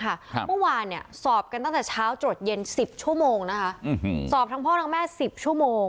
เมื่อวานเนี่ยสอบกันตั้งแต่เช้าตรวจเย็นสิบชั่วโมงนะคะอืมสอบทั้งพ่อทั้งแม่สิบชั่วโมง